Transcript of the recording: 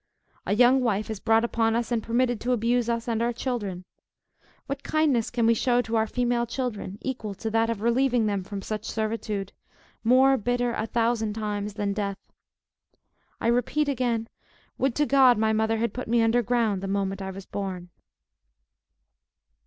A young wife is brought upon us and permitted to abuse us and our children. What kindness can we show to our female children, equal to that of relieving them from such servitude, more bitter a thousand times than death? I repeat again, would to God my mother had put me under ground, the moment I was born."